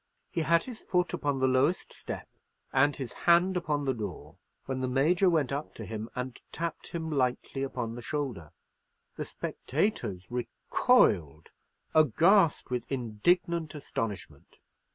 He had his foot upon the lowest step, and his hand upon the door, when the Major went up to him, and tapped him lightly upon the shoulder. The spectators recoiled, aghast with indignant astonishment.